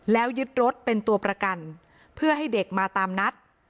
แล้วยึดรถเป็นตัวประกันเพื่อให้เด็กมาตามนัด